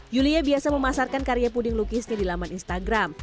yulia biasa memasarkan karya puding lukis di laman instagram